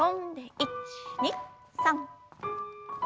１２３。